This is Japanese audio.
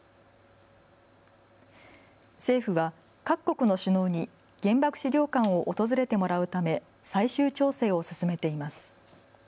政府は各国の首脳に原爆資料館を訪れてもらうため最終調整を進めています。